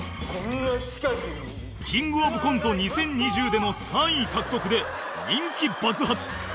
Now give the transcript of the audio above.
キングオブコント２０２０での３位獲得で人気爆発！